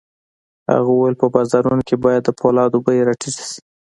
هغه وویل په بازارونو کې باید د پولادو بيې را ټیټې شي